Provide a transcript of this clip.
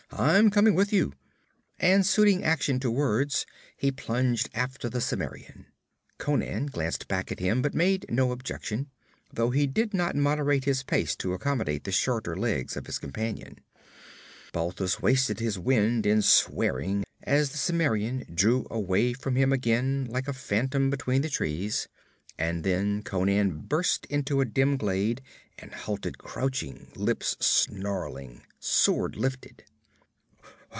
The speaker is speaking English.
'I'm coming with you!' And suiting action to words, he plunged after the Cimmerian. Conan glanced back at him, but made no objection, though he did not moderate his pace to accommodate the shorter legs of his companion. Balthus wasted his wind in swearing as the Cimmerian drew away from him again, like a phantom between the trees, and then Conan burst into a dim glade and halted crouching, lips snarling, sword lifted.